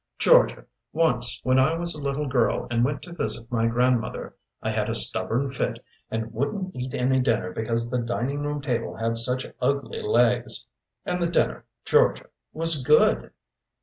Georgia, once when I was a little girl and went to visit my grandmother, I had a stubborn fit and wouldn't eat any dinner because the dining room table had such ugly legs. And the dinner, Georgia, was good."